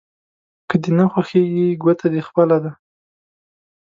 که دې نه خوښېږي ګوته دې خپله ده.